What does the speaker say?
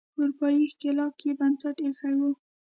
اروپایي ښکېلاک یې بنسټ ایښی و.